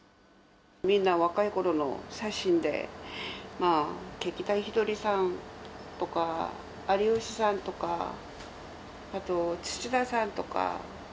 みんな若いころの写真で、劇団ひとりさんとか、有吉さんとか、あと土田さんとか。